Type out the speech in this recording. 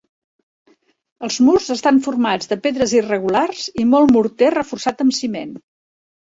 Els murs estan formats de pedres irregulars i molt morter reforçat amb ciment.